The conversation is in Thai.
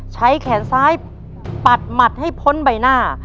ใช้แขนซ้ายปัดหมัดให้พ้นใบหน้า